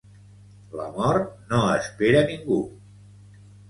La mort no espera ningú.